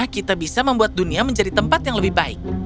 kita bisa membuat dunia menjadi tempat yang lebih baik